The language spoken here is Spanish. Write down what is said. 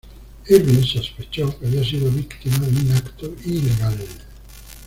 Irving sospechó que había sido víctima de un acto ilegal.